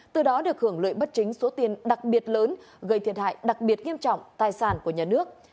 từ đó được hưởng lợi bất chính số tiền đặc biệt lớn gây thiệt hại đặc biệt nghiêm trọng tài sản của nhà nước